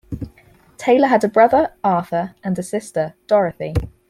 Taylor had a brother, Arthur, and a sister, Dorothy.